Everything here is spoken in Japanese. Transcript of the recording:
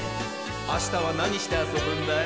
あしたはなにしてあそぶんだい？